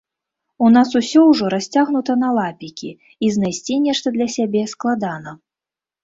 У нас усё ўжо расцягнута на лапікі і знайсці нешта для сябе складана.